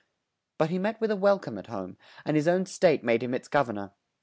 But he met with a wel come at home, and his own State made him its Gov ern or.